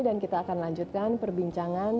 dan kita akan lanjutkan perbincangan